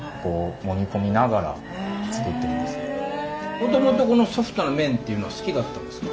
もともとこのソフトな麺っていうのは好きだったんですか？